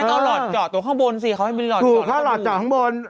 พอหลอดเจาะข้างบน